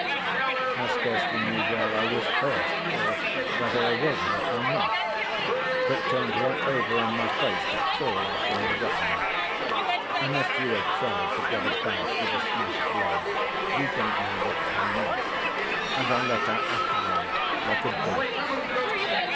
I scarcely knew where I was hurt, or whether I was hurt or not, but turned right over on my face to crawl after my weapon. Unless you have tried to get about with a smashed leg you don't know what pain is, and I let out a howl like a bullock's.